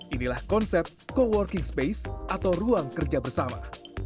inilah konsep coworking space atau ruang kerja bersama